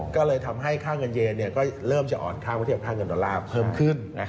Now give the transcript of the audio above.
ก็เลยทำให้ค่าเงินเยนก็เริ่มจะอ่อนค่าเมื่อเทียบกับค่าเงินดอลลาร์เพิ่มขึ้น